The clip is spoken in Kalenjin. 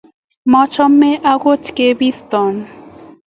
machome agot kebiston